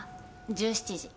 １７時。